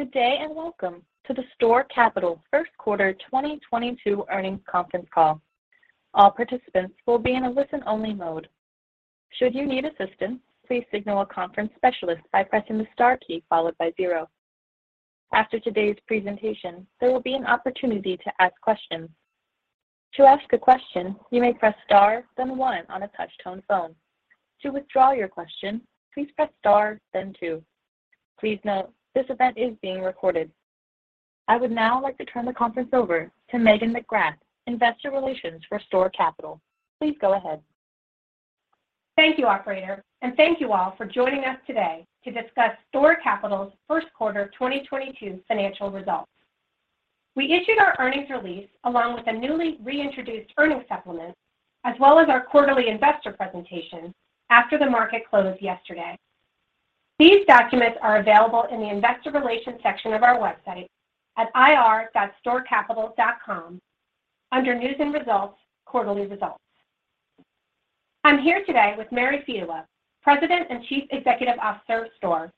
Good day, and welcome to the STORE Capital First Quarter 2022 Earnings Conference Call. All participants will be in a listen-only mode. Should you need assistance, please signal a conference specialist by pressing the star key followed by zero. After today's presentation, there will be an opportunity to ask questions. To ask a question, you may press star, then one on a touch-tone phone. To withdraw your question, please press star, then two. Please note, this event is being recorded. I would now like to turn the conference over to Megan McGrath, Investor Relations for STORE Capital. Please go ahead. Thank you, operator, and thank you all for joining us today to discuss STORE Capital's first quarter 2022 financial results. We issued our earnings release along with a newly reintroduced earnings supplement, as well as our quarterly investor presentation after the market closed yesterday. These documents are available in the Investor Relations section of our website at ir.storecapital.com under News and Results, Quarterly Results. I'm here today with Mary Fedewa, President and Chief Executive Officer of STORE,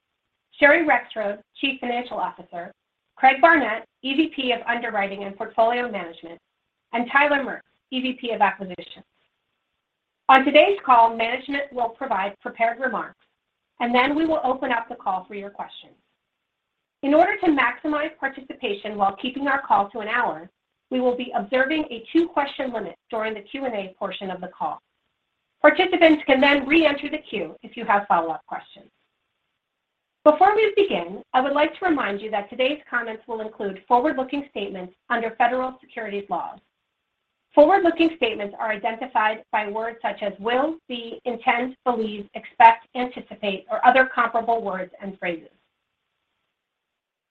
Sherry Rexroad, Chief Financial Officer, Craig Barnett, EVP of Underwriting and Portfolio Management, and Tyler Maertz, EVP of Acquisitions. On today's call, management will provide prepared remarks, and then we will open up the call for your questions. In order to maximize participation while keeping our call to an hour, we will be observing a two-question limit during the Q&A portion of the call. Participants can then reenter the queue if you have follow-up questions. Before we begin, I would like to remind you that today's comments will include forward-looking statements under federal securities laws. Forward-looking statements are identified by words such as will, see, intend, believe, expect, anticipate, or other comparable words and phrases.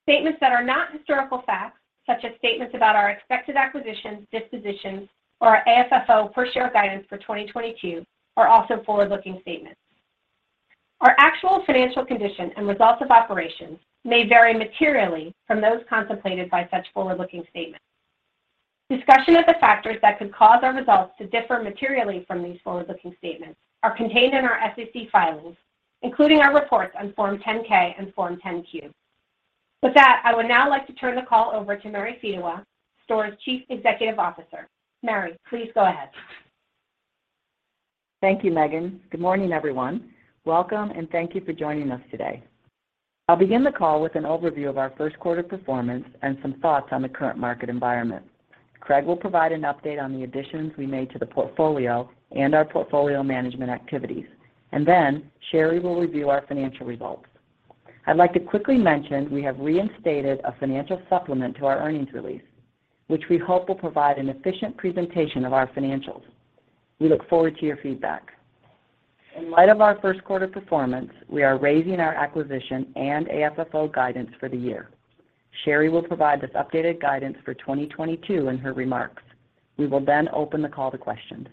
Statements that are not historical facts, such as statements about our expected acquisitions, dispositions, or our AFFO per share guidance for 2022 are also forward-looking statements. Our actual financial condition and results of operations may vary materially from those contemplated by such forward-looking statements. Discussion of the factors that could cause our results to differ materially from these forward-looking statements are contained in our SEC filings, including our reports on Form 10-K and Form 10-Q. With that, I would now like to turn the call over to Mary Fedewa, STORE's Chief Executive Officer. Mary, please go ahead. Thank you, Megan. Good morning, everyone. Welcome, and thank you for joining us today. I'll begin the call with an overview of our first quarter performance and some thoughts on the current market environment. Craig will provide an update on the additions we made to the portfolio and our portfolio management activities, and then Sherry will review our financial results. I'd like to quickly mention, we have reinstated a financial supplement to our earnings release, which we hope will provide an efficient presentation of our financials. We look forward to your feedback. In light of our first quarter performance, we are raising our acquisition and AFFO guidance for the year. Sherry will provide this updated guidance for 2022 in her remarks. We will then open the call to questions.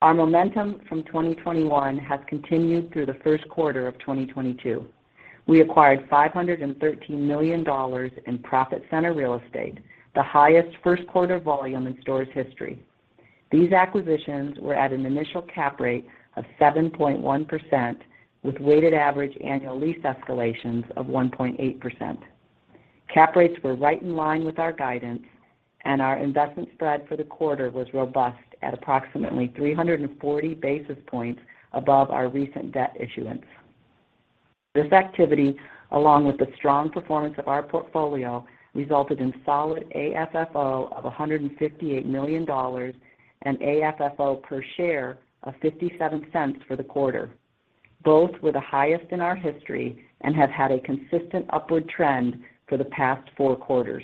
Our momentum from 2021 has continued through the first quarter of 2022. We acquired $513 million in profit-center real estate, the highest first quarter volume in STORE's history. These acquisitions were at an initial cap rate of 7.1% with weighted average annual lease escalations of 1.8%. Cap rates were right in line with our guidance, and our investment spread for the quarter was robust at approximately 340 basis points above our recent debt issuance. This activity, along with the strong performance of our portfolio, resulted in solid AFFO of $158 million and AFFO per share of $0.57 for the quarter. Both were the highest in our history and have had a consistent upward trend for the past four quarters.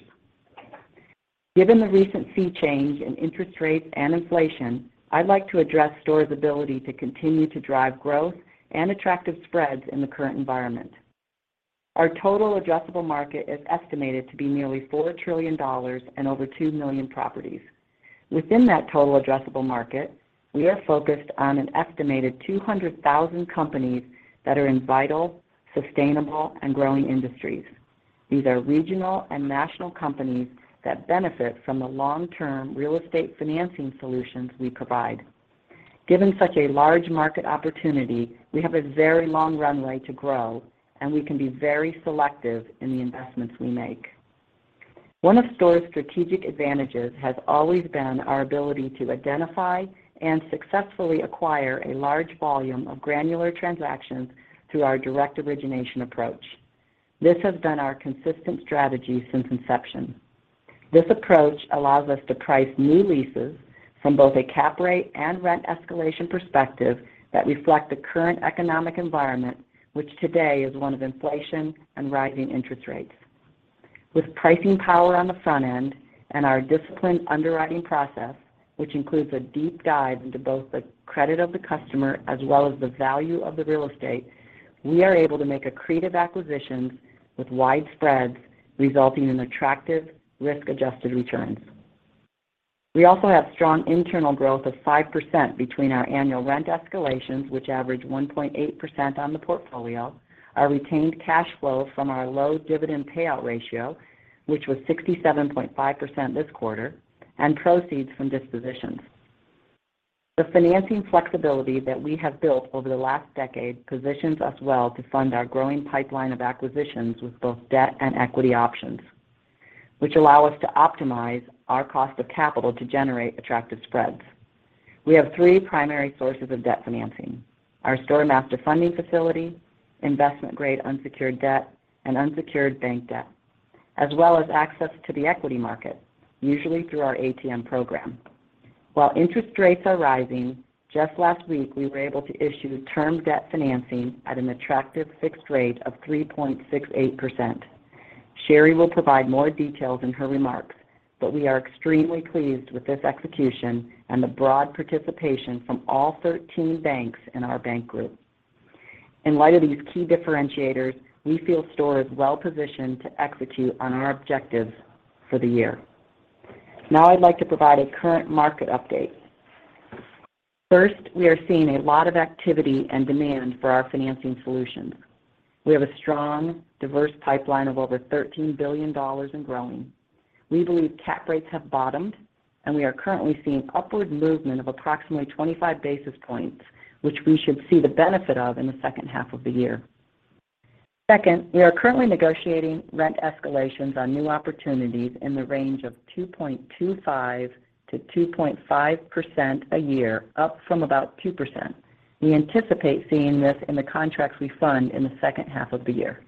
Given the recent Fed change in interest rates and inflation, I'd like to address STORE's ability to continue to drive growth and attractive spreads in the current environment. Our total addressable market is estimated to be nearly $4 trillion and over 2 million properties. Within that total addressable market, we are focused on an estimated 200,000 companies that are in vital, sustainable, and growing industries. These are regional and national companies that benefit from the long-term real estate financing solutions we provide. Given such a large market opportunity, we have a very long runway to grow, and we can be very selective in the investments we make. One of STORE's strategic advantages has always been our ability to identify and successfully acquire a large volume of granular transactions through our direct origination approach. This has been our consistent strategy since inception. This approach allows us to price new leases from both a cap rate and rent escalation perspective that reflect the current economic environment, which today is one of inflation and rising interest rates. With pricing power on the front end and our disciplined underwriting process, which includes a deep dive into both the credit of the customer as well as the value of the real estate, we are able to make accretive acquisitions with wide spreads resulting in attractive risk-adjusted returns. We also have strong internal growth of 5% between our annual rent escalations, which average 1.8% on the portfolio, our retained cash flow from our low dividend payout ratio, which was 67.5% this quarter, and proceeds from dispositions. The financing flexibility that we have built over the last decade positions us well to fund our growing pipeline of acquisitions with both debt and equity options, which allow us to optimize our cost of capital to generate attractive spreads. We have three primary sources of debt financing, our STORE Master Funding Facility, investment-grade unsecured debt, and unsecured bank debt, as well as access to the equity market, usually through our ATM program. While interest rates are rising, just last week, we were able to issue term debt financing at an attractive fixed rate of 3.68%. Sherry will provide more details in her remarks, but we are extremely pleased with this execution and the broad participation from all 13 banks in our bank group. In light of these key differentiators, we feel STORE is well-positioned to execute on our objectives for the year. Now I'd like to provide a current market update. First, we are seeing a lot of activity and demand for our financing solutions. We have a strong, diverse pipeline of over $13 billion and growing. We believe cap rates have bottomed, and we are currently seeing upward movement of approximately 25 basis points, which we should see the benefit of in the second half of the year. Second, we are currently negotiating rent escalations on new opportunities in the range of 2.25%-2.5% a year, up from about 2%. We anticipate seeing this in the contracts we fund in the second half of the year.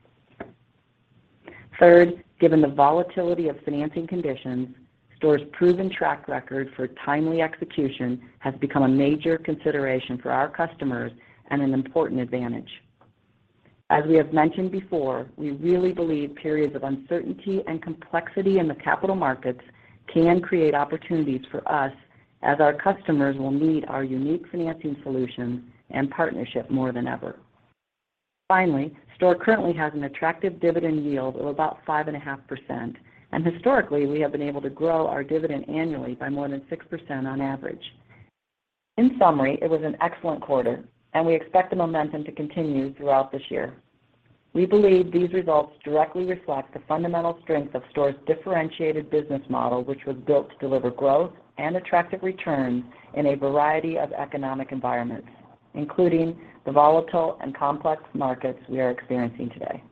Third, given the volatility of financing conditions, STORE's proven track record for timely execution has become a major consideration for our customers and an important advantage. As we have mentioned before, we really believe periods of uncertainty and complexity in the capital markets can create opportunities for us as our customers will need our unique financing solutions and partnership more than ever. Finally, STORE currently has an attractive dividend yield of about 5.5%, and historically, we have been able to grow our dividend annually by more than 6% on average. In summary, it was an excellent quarter, and we expect the momentum to continue throughout this year. We believe these results directly reflect the fundamental strength of STORE's differentiated business model, which was built to deliver growth and attractive returns in a variety of economic environments, including the volatile and complex markets we are experiencing today.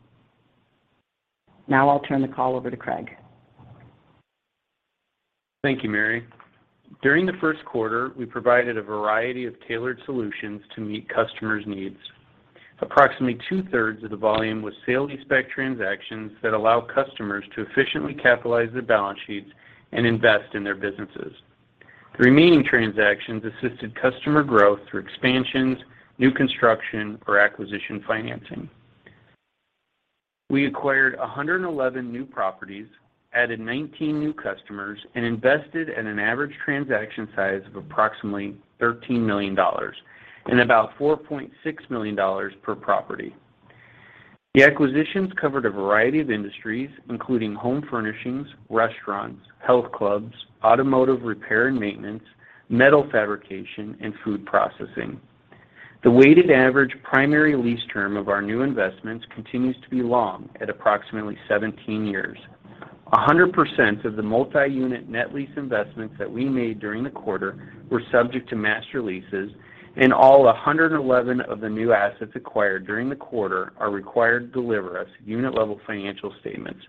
Now I'll turn the call over to Craig. Thank you, Mary. During the first quarter, we provided a variety of tailored solutions to meet customers' needs. Approximately 2/3s of the volume was sale-leaseback transactions that allow customers to efficiently capitalize their balance sheets and invest in their businesses. The remaining transactions assisted customer growth through expansions, new construction, or acquisition financing. We acquired 111 new properties, added 19 new customers, and invested at an average transaction size of approximately $13 million and about $4.6 million per property. The acquisitions covered a variety of industries, including home furnishings, restaurants, health clubs, automotive repair and maintenance, metal fabrication, and food processing. The weighted average primary lease term of our new investments continues to be long at approximately 17 years. 100% of the multi-unit net lease investments that we made during the quarter were subject to master leases, and all 111 of the new assets acquired during the quarter are required to deliver us unit-level financial statements,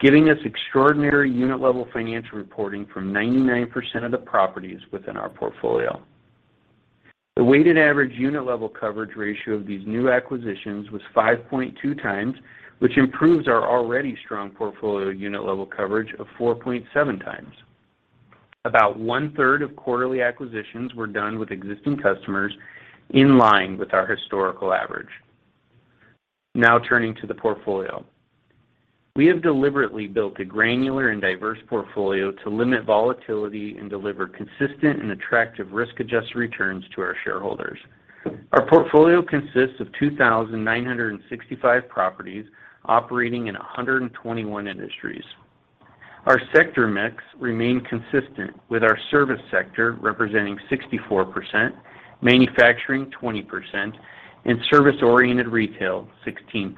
giving us extraordinary unit-level financial reporting from 99% of the properties within our portfolio. The weighted average unit-level coverage ratio of these new acquisitions was 5.2x, which improves our already strong portfolio unit-level coverage of 4.7x. About 1/3 of quarterly acquisitions were done with existing customers in line with our historical average. Now turning to the portfolio. We have deliberately built a granular and diverse portfolio to limit volatility and deliver consistent and attractive risk-adjusted returns to our shareholders. Our portfolio consists of 2,965 properties operating in 121 industries. Our sector mix remained consistent, with our service sector representing 64%, manufacturing 20%, and service-oriented retail 16%.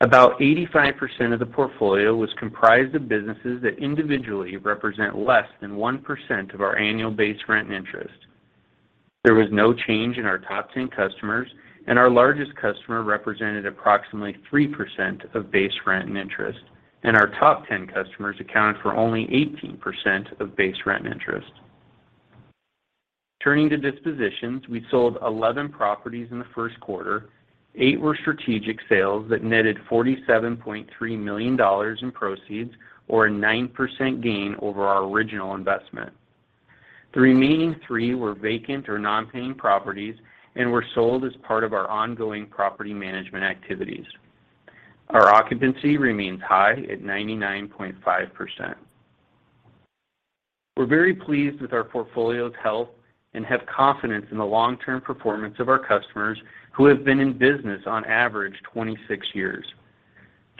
About 85% of the portfolio was comprised of businesses that individually represent less than 1% of our annual base rent and interest. There was no change in our top 10 customers, and our largest customer represented approximately 3% of base rent and interest, and our top 10 customers accounted for only 18% of base rent and interest. Turning to dispositions, we sold 11 properties in the first quarter. Eight were strategic sales that netted $47.3 million in proceeds or a 9% gain over our original investment. The remaining three were vacant or non-paying properties and were sold as part of our ongoing property management activities. Our occupancy remains high at 99.5%. We're very pleased with our portfolio's health and have confidence in the long-term performance of our customers who have been in business on average 26 years.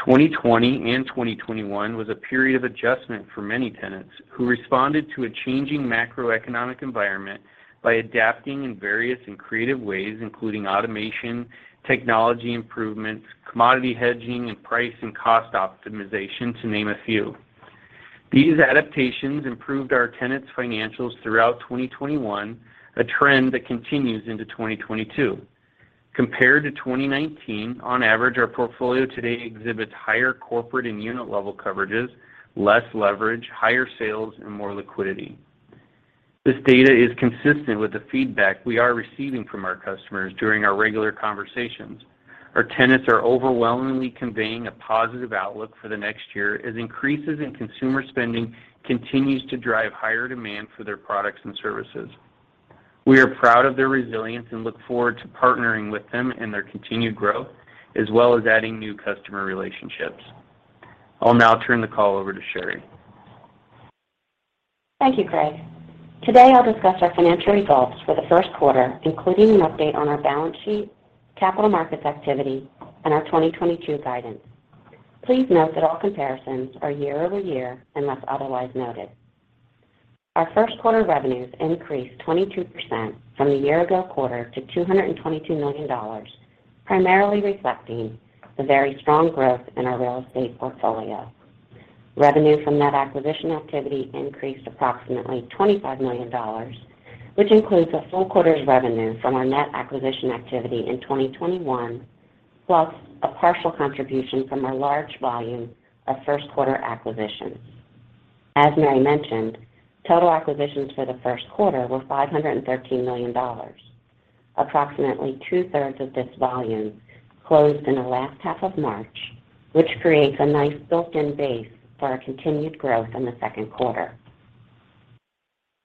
2020 and 2021 was a period of adjustment for many tenants who responded to a changing macroeconomic environment by adapting in various and creative ways, including automation, technology improvements, commodity hedging, and price and cost optimization, to name a few. These adaptations improved our tenants' financials throughout 2021, a trend that continues into 2022. Compared to 2019, on average, our portfolio today exhibits higher corporate and unit-level coverages, less leverage, higher sales, and more liquidity. This data is consistent with the feedback we are receiving from our customers during our regular conversations. Our tenants are overwhelmingly conveying a positive outlook for the next year as increases in consumer spending continues to drive higher demand for their products and services. We are proud of their resilience and look forward to partnering with them in their continued growth, as well as adding new customer relationships. I'll now turn the call over to Sherry. Thank you, Craig. Today, I'll discuss our financial results for the first quarter, including an update on our balance sheet, capital markets activity, and our 2022 guidance. Please note that all comparisons are year-over-year, unless otherwise noted. Our first quarter revenues increased 22% from the year-ago quarter to $222 million, primarily reflecting the very strong growth in our real estate portfolio. Revenue from net acquisition activity increased approximately $25 million, which includes a full quarter's revenue from our net acquisition activity in 2021, plus a partial contribution from our large volume of first quarter acquisitions. As Mary mentioned, total acquisitions for the first quarter were $513 million. Approximately 2/3s of this volume closed in the last half of March, which creates a nice built-in base for our continued growth in the second quarter.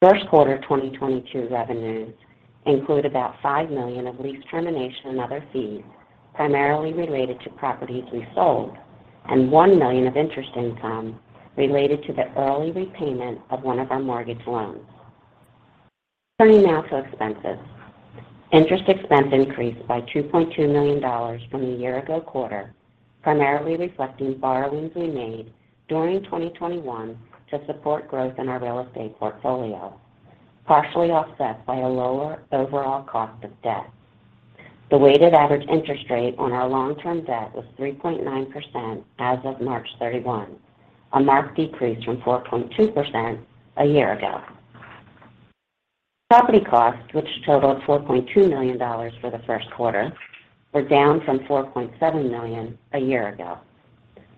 First quarter of 2022 revenues include about $5 million of lease termination and other fees primarily related to properties we sold and $1 million of interest income related to the early repayment of one of our mortgage loans. Turning now to expenses. Interest expense increased by $2.2 million from the year-ago quarter, primarily reflecting borrowings we made during 2021 to support growth in our real estate portfolio, partially offset by a lower overall cost of debt. The weighted average interest rate on our long-term debt was 3.9% as of March 31, a marked decrease from 4.2% a year ago. Property costs, which totaled $4.2 million for the first quarter, were down from $4.7 million a year ago.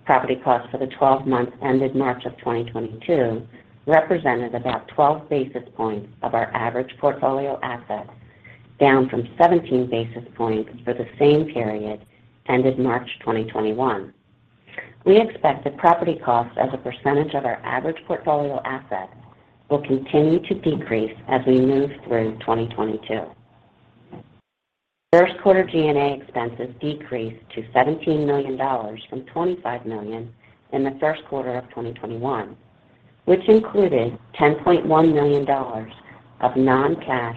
Property costs for the 12 months ended March 2022 represented about 12 basis points of our average portfolio assets, down from 17 basis points for the same period ended March 2021. We expect that property costs as a percentage of our average portfolio assets will continue to decrease as we move through 2022. First quarter G&A expenses decreased to $17 million from $25 million in the first quarter of 2021, which included $10.1 million of non-cash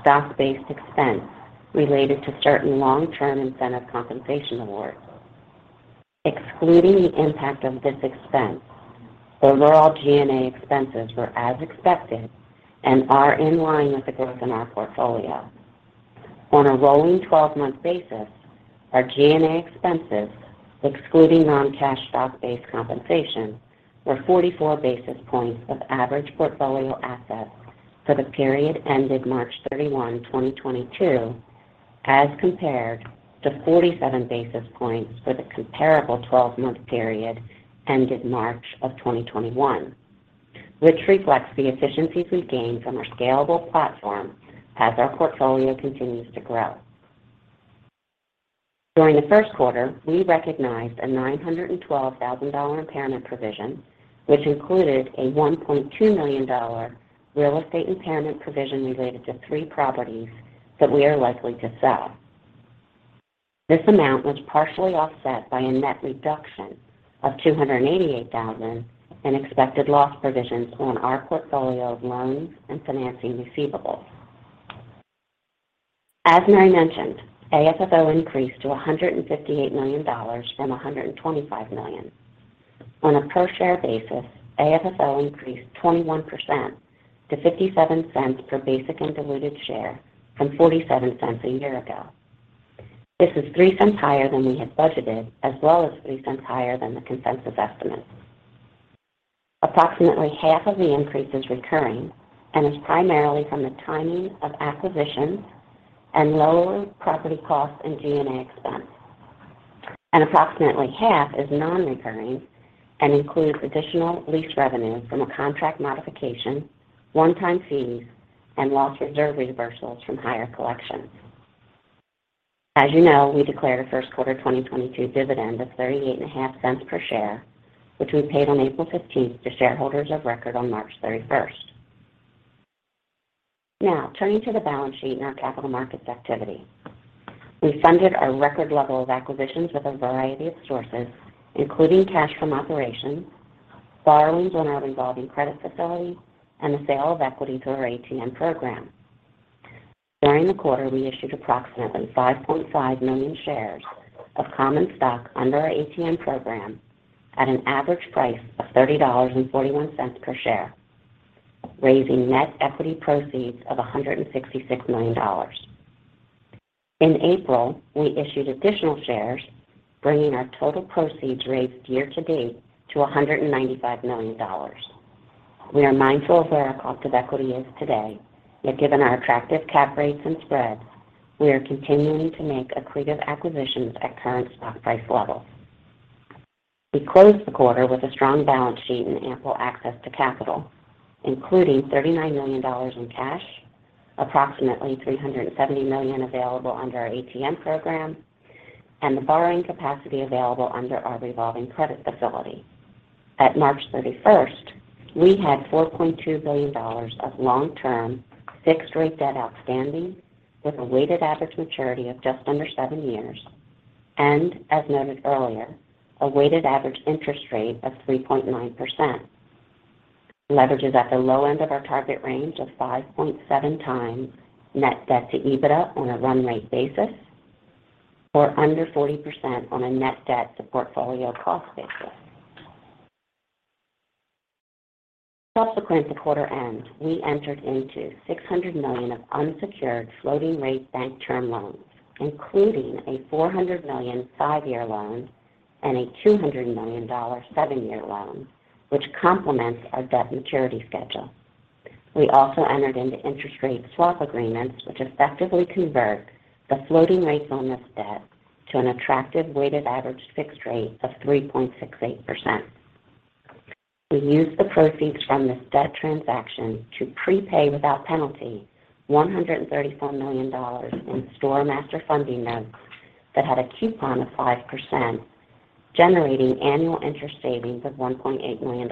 stock-based expense related to certain long-term incentive compensation awards. Excluding the impact of this expense, overall G&A expenses were as expected and are in line with the growth in our portfolio. On a rolling 12-month basis, our G&A expenses, excluding non-cash stock-based compensation, were 44 basis points of average portfolio assets for the period ended March 31, 2022, as compared to 47 basis points for the comparable 12-month period ended March 2021, which reflects the efficiencies we've gained from our scalable platform as our portfolio continues to grow. During the first quarter, we recognized a $912 thousand impairment provision, which included a $1.2 million real estate impairment provision related to three properties that we are likely to sell. This amount was partially offset by a net reduction of $288 thousand in expected loss provisions on our portfolio of loans and financing receivables. As Mary mentioned, AFFO increased to $158 million from $125 million. On a per-share basis, AFFO increased 21% to $0.57 per basic and diluted share from $0.47 a year ago. This is $0.03 higher than we had budgeted as well as $0.03 higher than the consensus estimate. Approximately half of the increase is recurring and is primarily from the timing of acquisitions and lower property costs and G&A expense, and approximately half is non-recurring and includes additional lease revenue from a contract modification, one-time fees, and loss reserve reversals from higher collections. As you know, we declared a first quarter 2022 dividend of $0.385 per share, which we paid on April 15 to shareholders of record on March 31. Now, turning to the balance sheet and our capital markets activity. We funded our record level of acquisitions with a variety of sources, including cash from operations, borrowings on our revolving credit facility, and the sale of equity through our ATM program. During the quarter, we issued approximately 5.5 million shares of common stock under our ATM program at an average price of $30.41 per share, raising net equity proceeds of $166 million. In April, we issued additional shares, bringing our total proceeds raised year-to-date to $195 million. We are mindful of where our cost of equity is today, yet given our attractive cap rates and spreads, we are continuing to make accretive acquisitions at current stock price levels. We closed the quarter with a strong balance sheet and ample access to capital, including $39 million in cash, approximately $370 million available under our ATM program, and the borrowing capacity available under our revolving credit facility. At March 31st, we had $4.2 billion of long-term fixed-rate debt outstanding with a weighted average maturity of just under seven years. As noted earlier, a weighted average interest rate of 3.9%. Leverage is at the low end of our target range of 5.7x net debt to EBITDA on a run-rate basis or under 40% on a net debt to portfolio cost basis. Subsequent to quarter end, we entered into $600 million of unsecured floating-rate bank term loans, including a $400 million five-year loan and a $200 million seven-year loan, which complements our debt maturity schedule. We also entered into interest rate swap agreements, which effectively convert the floating rates on this debt to an attractive weighted average fixed rate of 3.68%. We used the proceeds from this debt transaction to prepay without penalty $134 million in STORE Master Funding notes that had a coupon of 5%, generating annual interest savings of $1.8 million.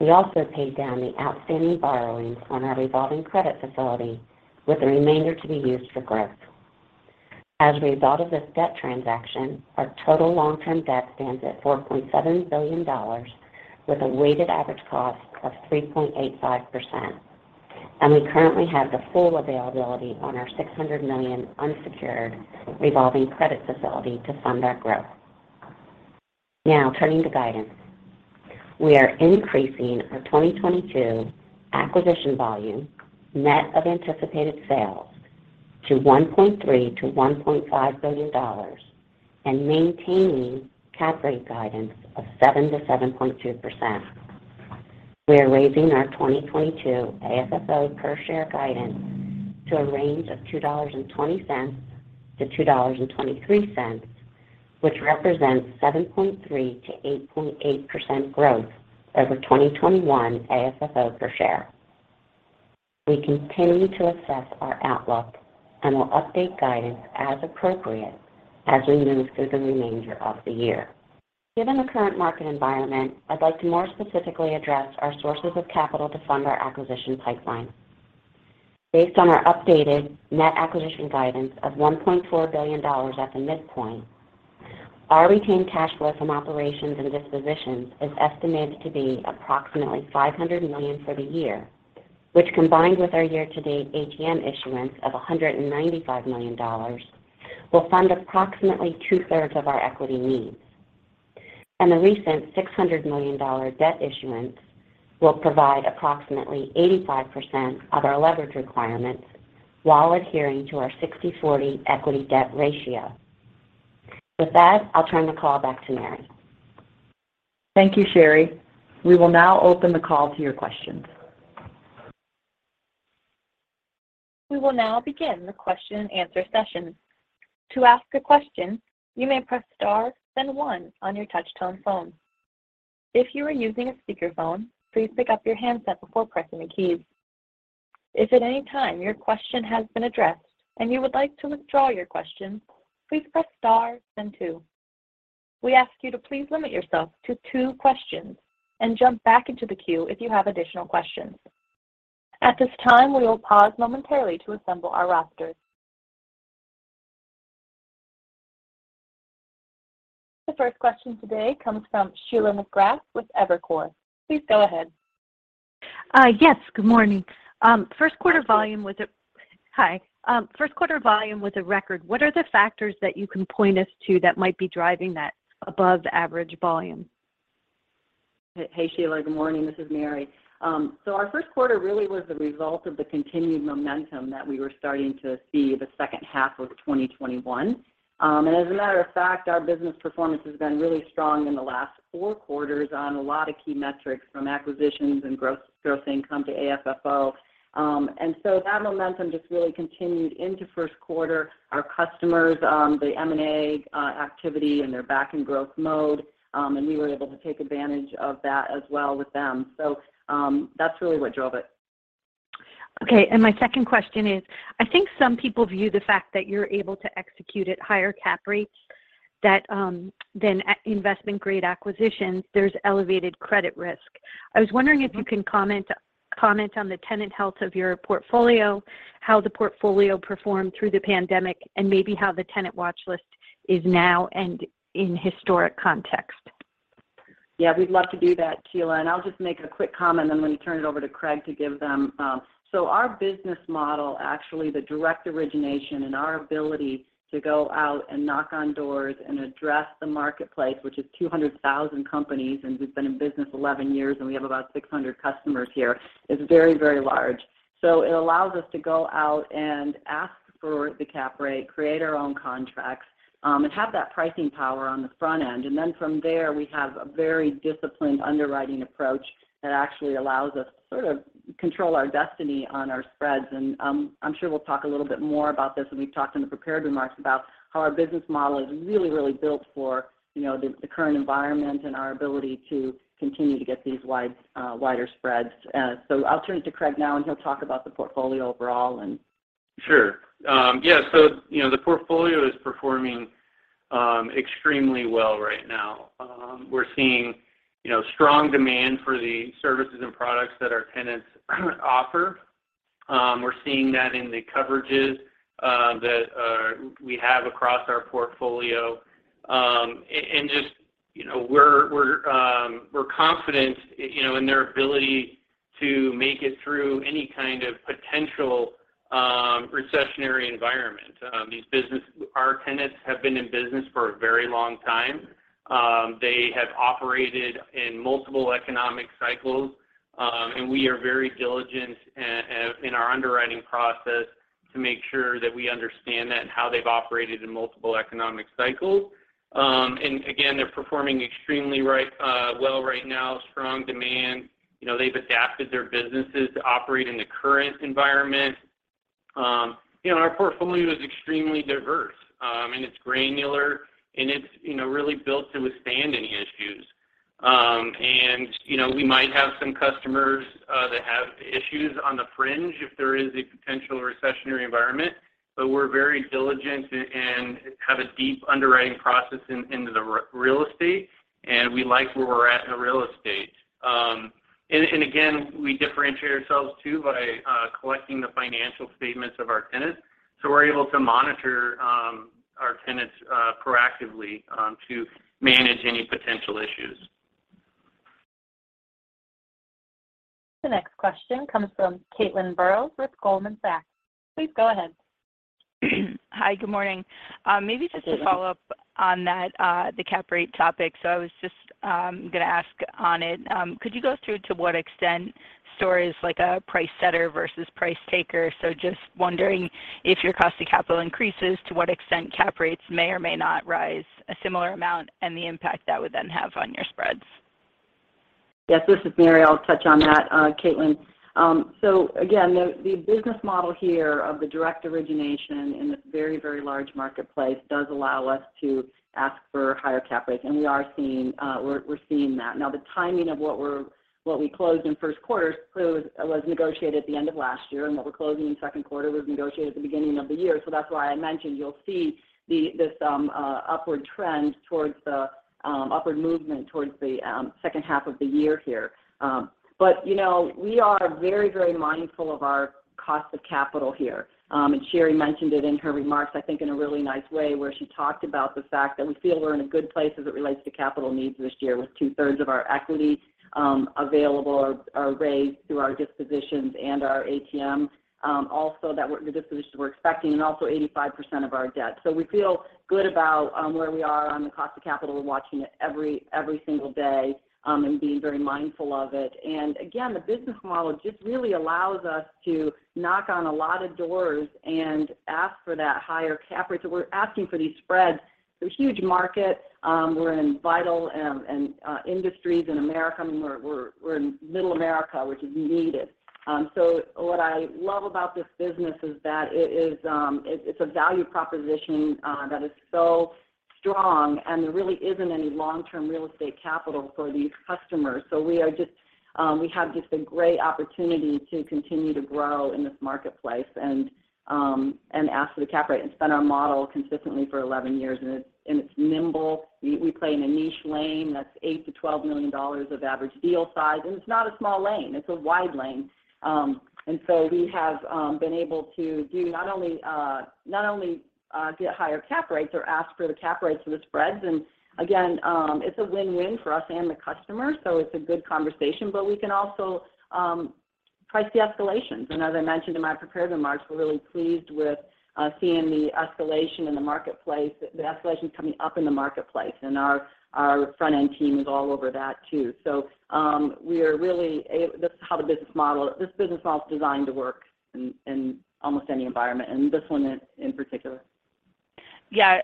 We also paid down the outstanding borrowings on our revolving credit facility with the remainder to be used for growth. As a result of this debt transaction, our total long-term debt stands at $4.7 billion with a weighted average cost of 3.85%. We currently have the full availability on our $600 million unsecured revolving credit facility to fund our growth. Now turning to guidance. We are increasing our 2022 acquisition volume net of anticipated sales to $1.3 billion-$1.5 billion and maintaining cap rate guidance of 7%-7.2%. We are raising our 2022 AFFO per share guidance to a range of $2.20-$2.23, which represents 7.3%-8.8% growth over 2021 AFFO per share. We continue to assess our outlook and will update guidance as appropriate as we move through the remainder of the year. Given the current market environment, I'd like to more specifically address our sources of capital to fund our acquisition pipeline. Based on our updated net acquisition guidance of $1.4 billion at the midpoint, our retained cash flow from operations and dispositions is estimated to be approximately $500 million for the year, which combined with our year-to-date ATM issuance of $195 million will fund approximately 2/3s of our equity needs. The recent $600 million debt issuance will provide approximately 85% of our leverage requirements while adhering to our 60/40 equity debt ratio. With that, I'll turn the call back to Mary. Thank you, Sherry. We will now open the call to your questions. We will now begin the question-and-answer session. To ask a question, you may press star then one on your touch-tone phone. If you are using a speaker phone, please pick up your handset before pressing the keys. If at any time your question has been addressed and you would like to withdraw your question, please press star then two. We ask you to please limit yourself to two questions and jump back into the queue if you have additional questions. At this time, we will pause momentarily to assemble our rosters. The first question today comes from Sheila McGrath with Evercore ISI. Please go ahead. Yes, good morning. First quarter volume was Hi, Sheila. Hi. First quarter volume was a record. What are the factors that you can point us to that might be driving that above-average volume? Hey, Sheila, good morning. This is Mary. Our first quarter really was the result of the continued momentum that we were starting to see the second half of 2021. As a matter of fact, our business performance has been really strong in the last four quarters on a lot of key metrics from acquisitions and gross income to AFFO. That momentum just really continued into first quarter. Our customers, the M&A activity, and they're back in growth mode. We were able to take advantage of that as well with them. That's really what drove it. Okay. My second question is, I think some people view the fact that you're able to execute at higher cap rates than investment-grade acquisitions, there's elevated credit risk. I was wondering if you can comment on the tenant health of your portfolio, how the portfolio performed through the pandemic, and maybe how the tenant watch list is now and in historic context. Yeah, we'd love to do that, Sheila. I'll just make a quick comment, and then let me turn it over to Craig to give them. Our business model, actually the direct origination and our ability to go out and knock on doors and address the marketplace, which is 200,000 companies. We've been in business 11 years, and we have about 600 customers here, is very, very large. It allows us to go out and ask for the cap rate, create our own contracts, and have that pricing power on the front end. Then from there, we have a very disciplined underwriting approach that actually allows us to sort of control our destiny on our spreads. I'm sure we'll talk a little bit more about this when we've talked in the prepared remarks about how our business model is really, really built for, you know, the current environment and our ability to continue to get these wide, wider spreads. So I'll turn it to Craig now, and he'll talk about the portfolio overall and- Sure. Yeah. You know, the portfolio is performing extremely well right now. We're seeing, you know, strong demand for the services and products that our tenants offer. We're seeing that in the coverages that we have across our portfolio. Just, you know, we're confident you know, in their ability to make it through any kind of potential recessionary environment. Our tenants have been in business for a very long time. They have operated in multiple economic cycles, and we are very diligent in our underwriting process to make sure that we understand that and how they've operated in multiple economic cycles. Again, they're performing extremely well right now, strong demand. You know, they've adapted their businesses to operate in the current environment. You know, our portfolio is extremely diverse, and it's granular and it's, you know, really built to withstand any issues. You know, we might have some customers that have issues on the fringe if there is a potential recessionary environment. We're very diligent and have a deep underwriting process into the real estate, and we like where we're at in the real estate. Again, we differentiate ourselves too by collecting the financial statements of our tenants. We're able to monitor our tenants proactively to manage any potential issues. The next question comes from Caitlin Burrows with Goldman Sachs. Please go ahead. Hi, good morning. Maybe just to follow up on that, the cap rate topic. I was just gonna ask on it. Could you go through to what extent STORE is like a price setter versus price taker? Just wondering if your cost of capital increases, to what extent cap rates may or may not rise a similar amount and the impact that would then have on your spreads? Yes. This is Mary. I'll touch on that, Caitlin. Again, the business model here of the direct origination in this very, very large marketplace does allow us to ask for higher cap rates. We are seeing that. Now, the timing of what we closed in first quarter clearly was negotiated at the end of last year, and what we're closing in second quarter was negotiated at the beginning of the year. That's why I mentioned you'll see the upward trend towards the upward movement towards the second half of the year here. You know, we are very, very mindful of our cost of capital here. Sherry mentioned it in her remarks, I think in a really nice way, where she talked about the fact that we feel we're in a good place as it relates to capital needs this year with 2/3s of our equity available or raised through our dispositions and our ATM. Also that the dispositions we're expecting and also 85% of our debt. We feel good about where we are on the cost of capital. We're watching it every single day and being very mindful of it. Again, the business model just really allows us to knock on a lot of doors and ask for that higher cap rate. We're asking for these spreads. It's a huge market. We're in vital industries in America. I mean, we're in middle America, which is needed. What I love about this business is that it's a value proposition that is so strong, and there really isn't any long-term real estate capital for these customers. We have just a great opportunity to continue to grow in this marketplace and ask for the cap rate. It's been our model consistently for 11 years, and it's nimble. We play in a niche lane that's $8 million-$12 million of average deal size. It's not a small lane. It's a wide lane. We have been able to do not only get higher cap rates or ask for the cap rates or the spreads. Again, it's a win-win for us and the customer, so it's a good conversation. We can also price the escalations. As I mentioned in my prepared remarks, we're really pleased with seeing the escalation in the marketplace, the escalation coming up in the marketplace. Our front-end team is all over that too. We are really this is how the business model. This business model is designed to work in almost any environment, and this one in particular. Yeah.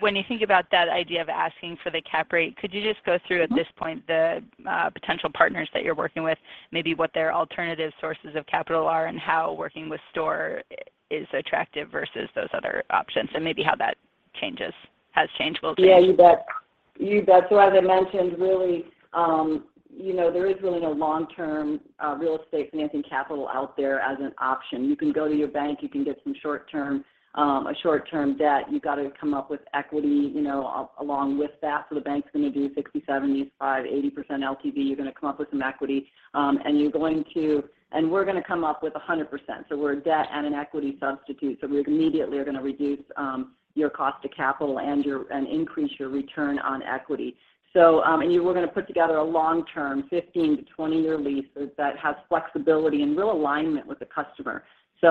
When you think about that idea of asking for the cap rate, could you just go through at this point the potential partners that you're working with, maybe what their alternative sources of capital are and how working with STORE is attractive versus those other options, and maybe how that changes, has changed, will change? Yeah, you bet. As I mentioned, really, you know, there is really no long-term real estate financing capital out there as an option. You can go to your bank, you can get some short-term debt. You gotta come up with equity, you know, along with that. The bank's gonna do 60%, 75%, 80% LTV. You're gonna come up with some equity, and we're gonna come up with 100%. We're a debt and an equity substitute. We immediately are gonna reduce your cost to capital and increase your return on equity. We're gonna put together a long-term 15- to 20-year leases that has flexibility and real alignment with the customer.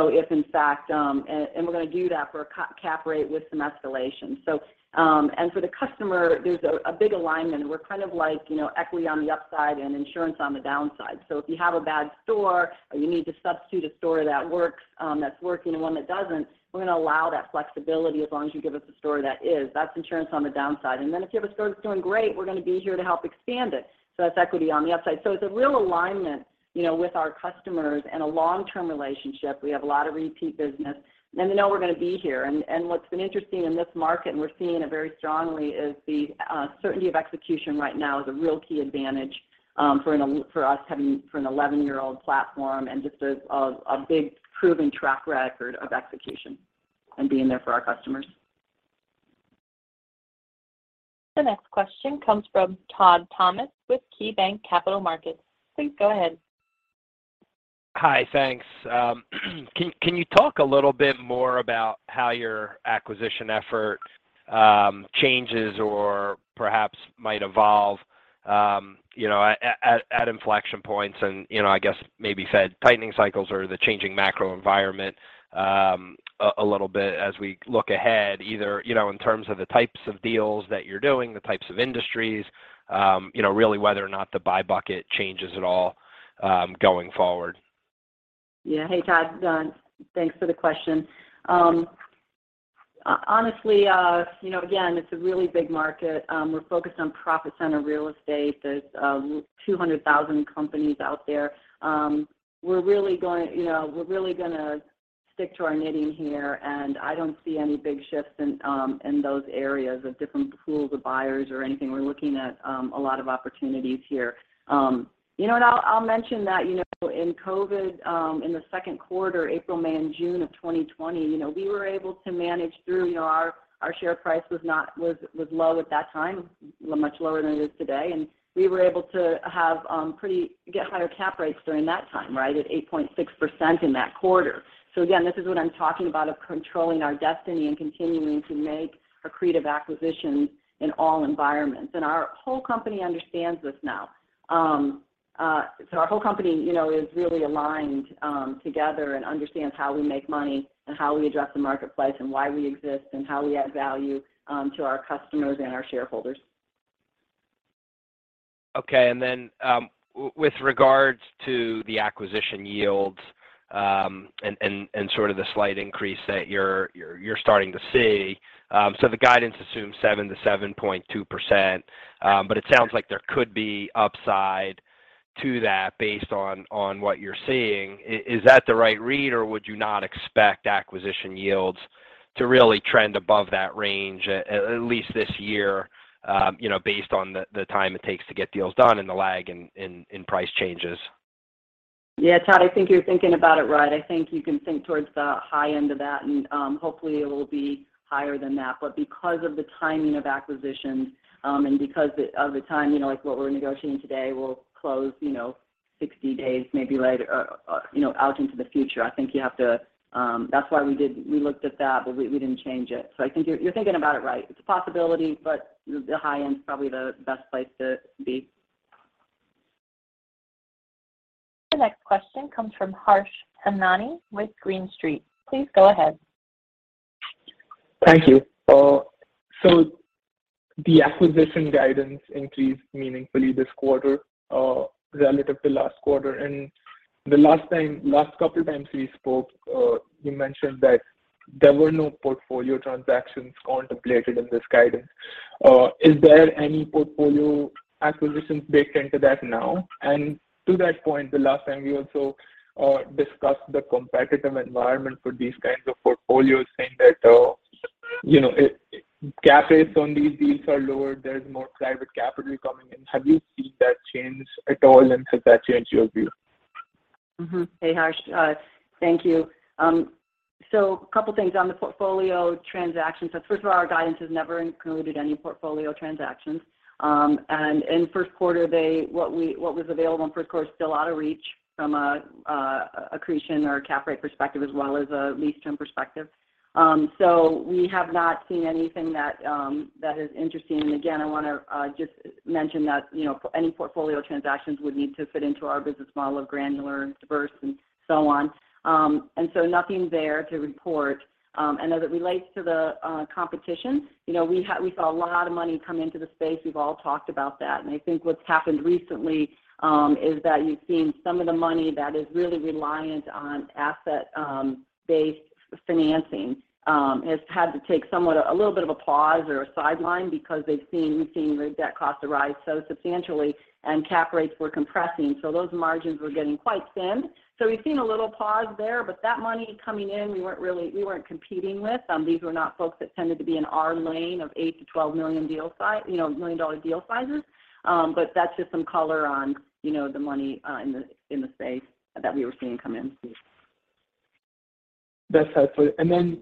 If in fact, We're gonna do that for a cap rate with some escalation. For the customer, there's a big alignment. We're kind of like, you know, equity on the upside and insurance on the downside. If you have a bad store or you need to substitute a store that works, that's working and one that doesn't, we're gonna allow that flexibility as long as you give us a store that is. That's insurance on the downside. If you have a store that's doing great, we're gonna be here to help expand it. That's equity on the upside. It's a real alignment, you know, with our customers and a long-term relationship. We have a lot of repeat business, and they know we're gonna be here. What's been interesting in this market, and we're seeing it very strongly, is the certainty of execution right now is a real key advantage for us having an 11-year-old platform and just a big proven track record of execution and being there for our customers. The next question comes from Todd Thomas with KeyBanc Capital Markets. Please go ahead. Hi. Thanks. Can you talk a little bit more about how your acquisition effort changes or perhaps might evolve, you know, at inflection points and, you know, I guess maybe Fed tightening cycles or the changing macro environment, a little bit as we look ahead, either, you know, in terms of the types of deals that you're doing, the types of industries, you know, really whether or not the buy bucket changes at all, going forward? Yeah. Hey, Todd. Thanks for the question. Honestly, you know, again, it's a really big market. We're focused on profit-center real estate. There's 200,000 companies out there. You know, we're really gonna stick to our knitting here, and I don't see any big shifts in those areas of different pools of buyers or anything. We're looking at a lot of opportunities here. You know what, I'll mention that, you know, in COVID, in the second quarter, April, May, and June of 2020, you know, we were able to manage through. You know, our share price was low at that time, much lower than it is today, and we were able to get higher cap rates during that time, right, at 8.6% in that quarter. This is what I'm talking about controlling our destiny and continuing to make accretive acquisitions in all environments. Our whole company understands this now. Our whole company, you know, is really aligned together and understands how we make money and how we address the marketplace and why we exist and how we add value to our customers and our shareholders. Okay. With regards to the acquisition yields and sort of the slight increase that you're starting to see, the guidance assumes 7%-7.2%, but it sounds like there could be upside to that based on what you're seeing. Is that the right read, or would you not expect acquisition yields to really trend above that range at least this year, you know, based on the time it takes to get deals done and the lag in price changes? Yeah. Todd, I think you're thinking about it right. I think you can think towards the high end of that, and hopefully it will be higher than that. Because of the timing of acquisitions, and because of the time, you know, like what we're negotiating today will close, you know, 60 days maybe later, you know, out into the future. I think you have to. That's why we looked at that, but we didn't change it. I think you're thinking about it right. It's a possibility, but the high end is probably the best place to be. The next question comes from Harsh Hemnani with Green Street. Please go ahead. Thank you. So the acquisition guidance increased meaningfully this quarter, relative to last quarter. The last couple times we spoke, you mentioned that there were no portfolio transactions contemplated in this guidance. Is there any portfolio acquisitions baked into that now? To that point, the last time we also discussed the competitive environment for these kinds of portfolios, saying that, you know, cap rates on these deals are lower, there's more private capital coming in. Have you seen that change at all, and has that changed your view? Hey, Harsh. Thank you. A couple things on the portfolio transactions. First of all, our guidance has never included any portfolio transactions. In first quarter, what was available in first quarter is still out of reach from a accretion or cap rate perspective as well as a lease-term perspective. We have not seen anything that is interesting. Again, I wanna just mention that, you know, any portfolio transactions would need to fit into our business model of granular and diverse and so on. Nothing there to report. As it relates to the competition, you know, we saw a lot of money come into the space. We've all talked about that. I think what's happened recently is that you've seen some of the money that is really reliant on asset-based financing has had to take somewhat a little bit of a pause or a sideline because we've seen debt costs arise so substantially and cap rates were compressing. Those margins were getting quite thin. We've seen a little pause there, but that money coming in, we weren't competing with. These were not folks that tended to be in our lane of $8-12 million-dollar deal sizes. That's just some color on, you know, the money in the space that we were seeing come in. That's helpful. You know,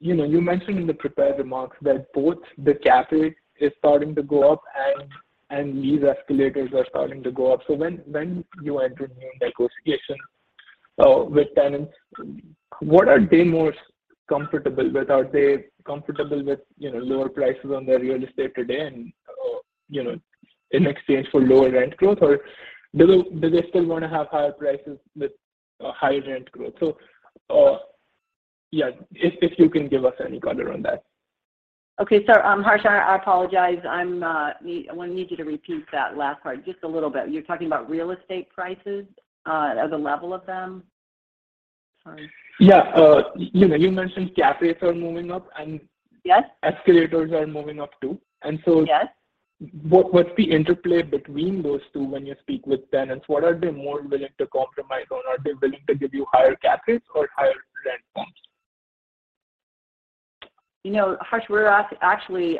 you mentioned in the prepared remarks that both the cap rate is starting to go up and lease escalators are starting to go up. When you enter new negotiations with tenants, what are they most comfortable with? Are they comfortable with, you know, lower prices on their real estate today and, you know, in exchange for lower rent growth? Or do they still want to have higher prices with higher rent growth? Yeah, if you can give us any color on that. Okay. Harsh, I apologize. I need you to repeat that last part just a little bit. You're talking about real estate prices, or the level of them? Sorry. Yeah. You know, you mentioned cap rates are moving up and. Yes Escalators are moving up too. Yes What's the interplay between those two when you speak with tenants? What are they more willing to compromise on? Are they willing to give you higher cap rates or higher rent bumps? You know, Harsh, we're actually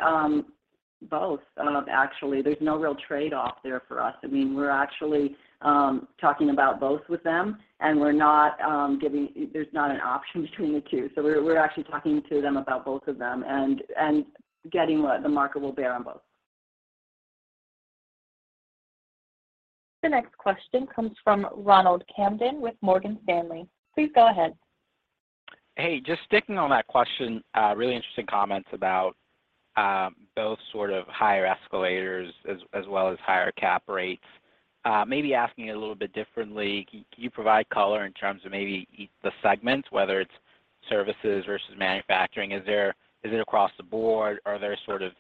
both. Actually, there's no real trade-off there for us. I mean, we're actually talking about both with them, and we're not giving. There's not an option between the two. We're actually talking to them about both of them and getting what the market will bear on both. The next question comes from Ronald Kamdem with Morgan Stanley. Please go ahead. Hey, just sticking on that question, really interesting comments about both sort of higher escalators as well as higher cap rates. Maybe asking it a little bit differently, can you provide color in terms of maybe the segments, whether it's services versus manufacturing? Is it across the board? Are there sort of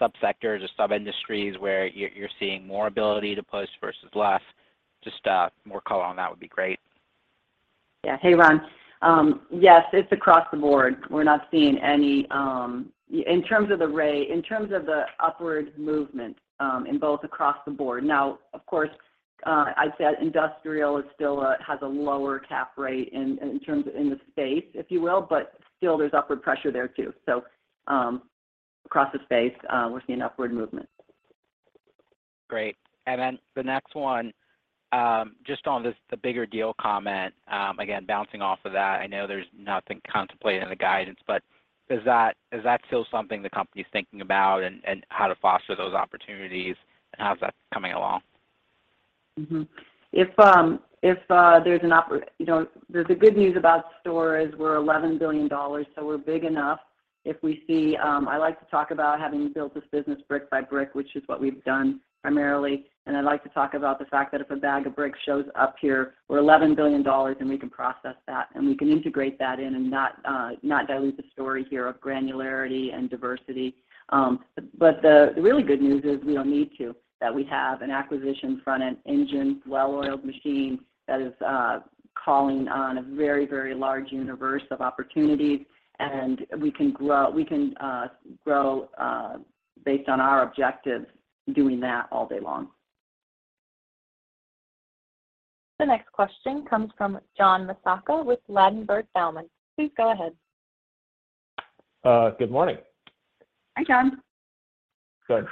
subsectors or sub-industries where you're seeing more ability to push versus less? Just more color on that would be great. Yeah. Hey, Ron. Yes, it's across the board. We're not seeing any. In terms of the rate, in terms of the upward movement, in both across the board. Now, of course, I'd say that industrial is still has a lower cap rate in terms of in the space, if you will, but still there's upward pressure there too. Across the space, we're seeing upward movement. Great. Then the next one, just on this, the bigger deal comment, again, bouncing off of that, I know there's nothing contemplated in the guidance, but does that feel something the company is thinking about and how to foster those opportunities? How's that coming along? If there's an opportunity, you know, the good news about STORE is we're $11 billion, so we're big enough. If we see, I like to talk about having built this business brick by brick, which is what we've done primarily. I like to talk about the fact that if a bag of bricks shows up here, we're $11 billion and we can process that, and we can integrate that in and not dilute the story here of granularity and diversity. The really good news is we don't need to. That we have an acquisition front-end engine, well-oiled machine that is calling on a very, very large universe of opportunities. We can grow based on our objectives doing that all day long. The next question comes from John Massocca with Ladenburg Thalmann. Please go ahead. Good morning. Hi, John. Good.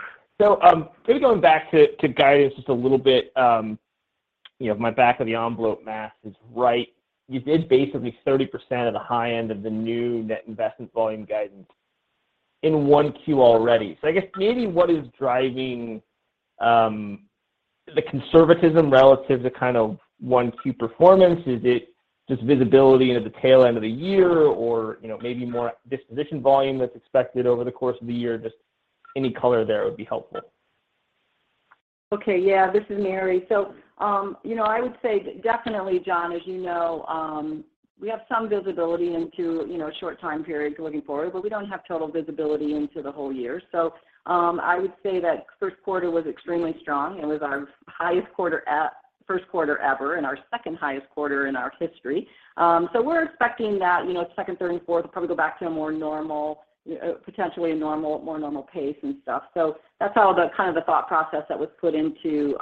Maybe going back to guidance just a little bit, if my back-of-the-envelope math is right, you did basically 30% of the high end of the new net investment volume guidance in one Q already. I guess maybe what is driving the conservatism relative to kind of one Q performance? Is it just visibility into the tail end of the year or, you know, maybe more disposition volume that's expected over the course of the year? Just any color there would be helpful. Okay. Yeah. This is Mary. You know, I would say definitely, John, as you know, we have some visibility into, you know, short time periods looking forward, but we don't have total visibility into the whole year. I would say that first quarter was extremely strong. It was our highest quarter, first quarter ever and our second highest quarter in our history. We're expecting that, you know, second quarter to probably go back to a more normal, potentially normal, more normal pace and stuff. That's how the kind of the thought process that was put into,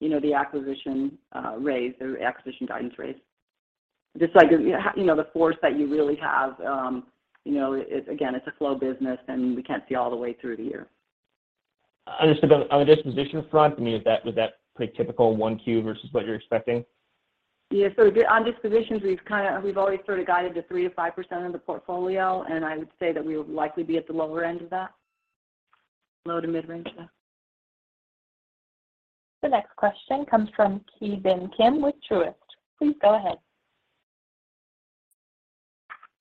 you know, the acquisition raise or acquisition guidance raise. Just like, you know, the forecast that you really have, you know, again, it's a slow business, and we can't see all the way through the year. Understood. On the disposition front, I mean, was that pretty typical one Q versus what you're expecting? On dispositions, we've always sort of guided to 3%-5% of the portfolio, and I would say that we would likely be at the lower end of that. Low to mid-range, yeah. The next question comes from Ki Bin Kim with Truist. Please go ahead.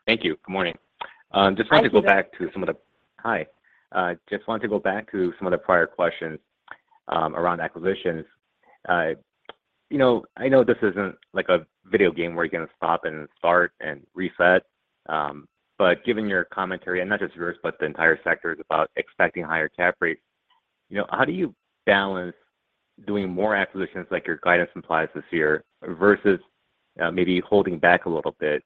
Thank you. Good morning. Hi, Ki. Just wanted to go back to some of the prior questions around acquisitions. You know, I know this isn't like a video game where you're gonna stop and start and reset, but given your commentary, and not just yours, but the entire sector, is about expecting higher cap rates. You know, how do you balance doing more acquisitions like your guidance implies this year versus maybe holding back a little bit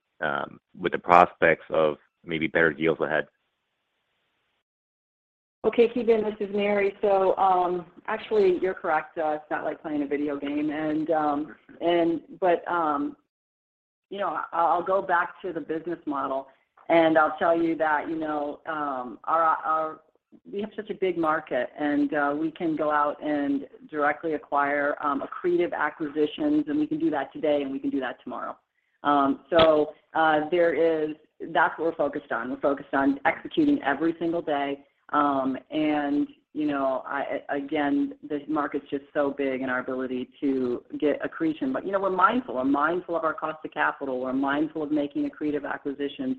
with the prospects of maybe better deals ahead? Okay. Ki Bin Kim, this is Mary Fedewa. Actually, you're correct. It's not like playing a video game. You know, I'll go back to the business model, and I'll tell you that, you know, we have such a big market, and we can go out and directly acquire accretive acquisitions, and we can do that today, and we can do that tomorrow. That's what we're focused on. We're focused on executing every single day. You know, again, this market's just so big, and our ability to get accretion. You know, we're mindful. We're mindful of our cost of capital. We're mindful of making accretive acquisitions.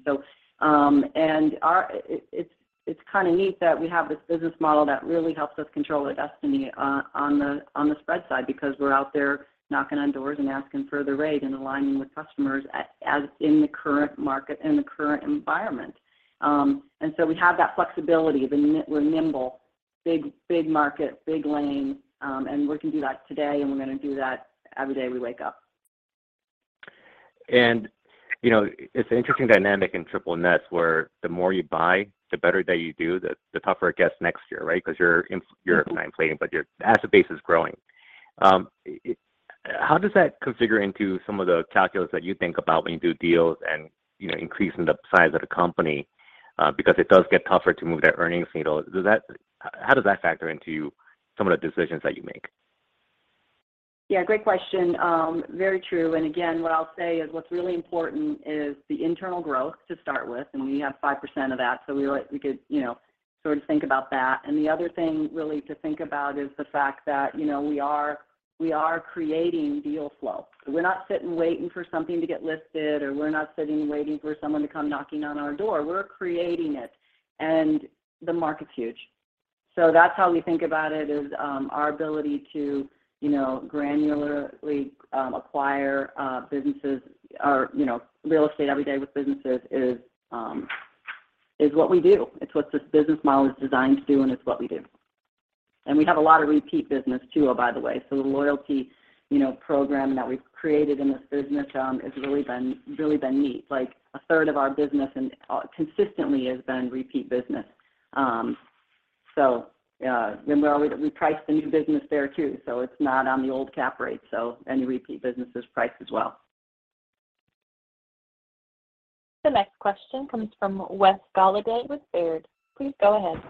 It's kinda neat that we have this business model that really helps us control our destiny on the spread side because we're out there knocking on doors and asking for the rate and aligning with customers as in the current market and the current environment. We have that flexibility. We're nimble. Big market, big lane, and we can do that today, and we're gonna do that every day we wake up. You know, it's an interesting dynamic in triple nets, where the more you buy, the better that you do, the tougher it gets next year, right? Because you're inflating, but your asset base is growing. How does that figure into some of the calculus that you think about when you do deals and, you know, increasing the size of the company, because it does get tougher to move that earnings needle. How does that factor into some of the decisions that you make? Yeah, great question. Very true. Again, what I'll say is what's really important is the internal growth to start with, and we have 5% of that. We could, you know, sort of think about that. The other thing really to think about is the fact that, you know, we are creating deal flow. We're not sitting, waiting for something to get listed, or we're not sitting, waiting for someone to come knocking on our door. We're creating it, and the market's huge. That's how we think about it is, our ability to, you know, granularly, acquire, businesses or, you know, real estate every day with businesses is what we do. It's what this business model is designed to do, and it's what we do. We have a lot of repeat business too, by the way. The loyalty, you know, program that we've created in this business has really been neat. Like, 1/3 of our business and consistently has been repeat business. We price the new business there too, so it's not on the old cap rate. Any repeat business is priced as well. The next question comes from Wes Golladay with Baird. Please go ahead.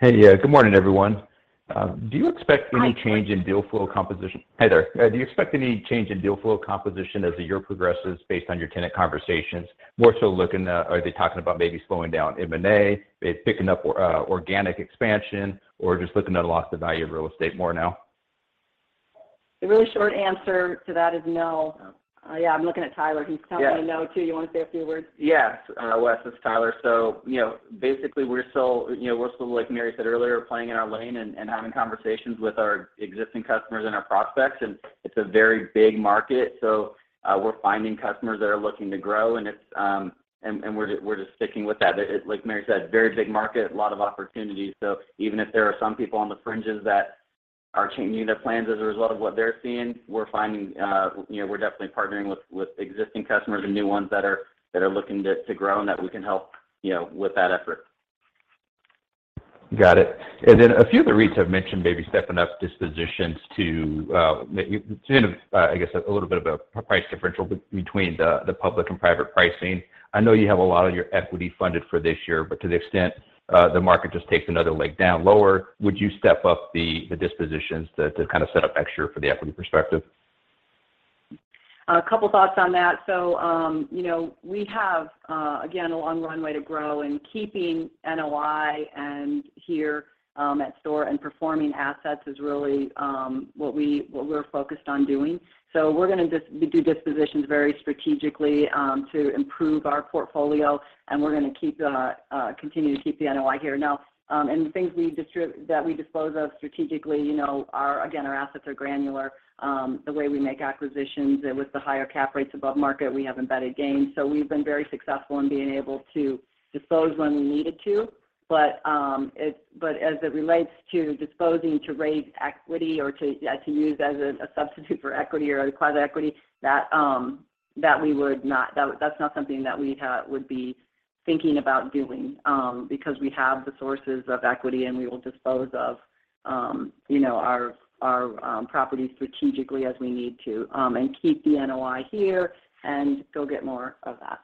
Hey. Yeah, good morning, everyone. Do you expect any change? Hi. Hi there. Do you expect any change in deal flow composition as the year progresses based on your tenant conversations? More so looking, are they talking about maybe slowing down M&A, they're picking up or, organic expansion, or just looking at the loss of value of real estate more now? The really short answer to that is no. Yeah, I'm looking at Tyler. He's telling me no too. Yeah. You wanna say a few words? Yes. Wes, this is Tyler. You know, basically we're still, you know, we're still like Mary said earlier, playing in our lane and having conversations with our existing customers and our prospects, and it's a very big market. We're finding customers that are looking to grow, and it's and we're just sticking with that. It like Mary said, very big market, a lot of opportunities. Even if there are some people on the fringes that are changing their plans as a result of what they're seeing, we're finding you know, we're definitely partnering with existing customers and new ones that are looking to grow and that we can help you know, with that effort. Got it. A few of the REITs have mentioned maybe stepping up dispositions to maybe soon, I guess a little bit of a price differential between the public and private pricing. I know you have a lot of your equity funded for this year, but to the extent the market just takes another leg down lower, would you step up the dispositions to kind of set up extra for the equity perspective? A couple thoughts on that. You know, we have again a long runway to grow. Keeping NOI and here at STORE and performing assets is really what we're focused on doing. We're gonna just do dispositions very strategically to improve our portfolio, and we're gonna continue to keep the NOI here. Now, the things that we dispose of strategically, you know, are again our assets are granular. The way we make acquisitions with the higher cap rates above market, we have embedded gains. We've been very successful in being able to dispose when we needed to. As it relates to disposing to raise equity or to use as a substitute for equity or acquire the equity, that's not something that we would be thinking about doing, because we have the sources of equity, and we will dispose of you know, our properties strategically as we need to, and keep the NOI here and go get more of that.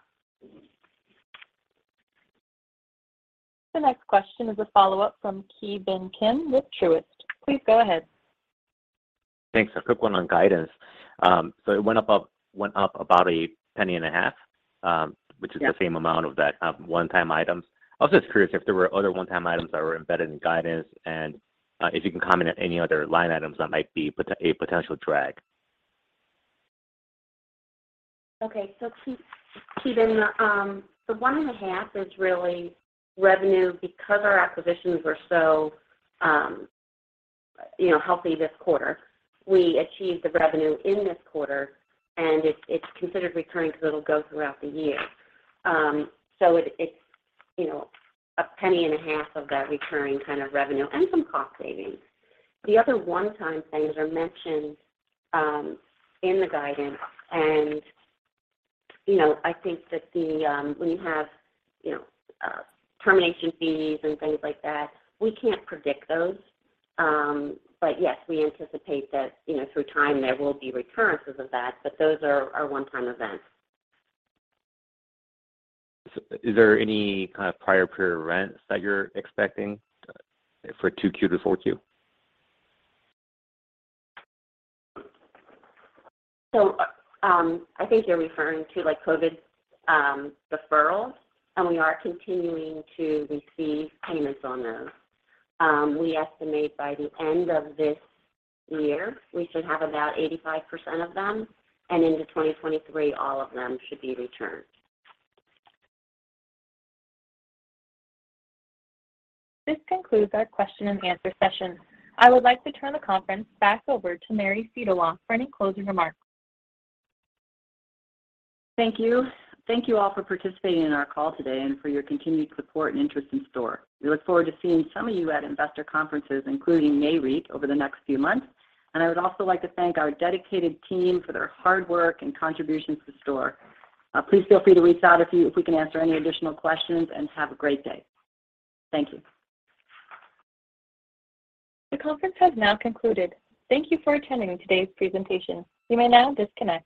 The next question is a follow-up from Ki Bin Kim with Truist. Please go ahead. Thanks. A quick one on guidance. It went up about $0.015, which is the same amount as that one-time items. I was just curious if there were other one-time items that were embedded in guidance and if you can comment on any other line items that might be a potential drag. Okay. Ki Bin Kim, the $0.015 is really revenue because our acquisitions were so, you know, healthy this quarter. We achieved the revenue in this quarter, and it's considered recurring, so it'll go throughout the year. It's, you know, $0.015 of that recurring kind of revenue and some cost savings. The other one-time things are mentioned in the guidance. You know, I think that when you have, you know, termination fees and things like that, we can't predict those. But yes, we anticipate that, you know, through time, there will be recurrences of that, but those are one-time events. Is there any kind of prior-period rents that you're expecting for 2Q to 4Q? I think you're referring to, like, COVID deferrals, and we are continuing to receive payments on those. We estimate by the end of this year, we should have about 85% of them, and into 2023, all of them should be returned. This concludes our question-and-answer session. I would like to turn the conference back over to Megan McGrath for any closing remarks. Thank you. Thank you all for participating in our call today and for your continued support and interest in STORE. We look forward to seeing some of you at investor conferences, including Nareit over the next few months. I would also like to thank our dedicated team for their hard work and contributions to STORE. Please feel free to reach out if we can answer any additional questions, and have a great day. Thank you. The conference has now concluded. Thank you for attending today's presentation. You may now disconnect.